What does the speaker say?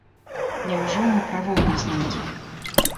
Няўжо мы правоў не знойдзем?